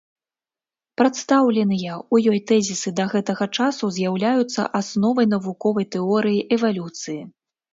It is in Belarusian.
Прадстаўленыя ў ёй тэзісы да гэтага часу з'яўляюцца асновай навуковай тэорыі эвалюцыі.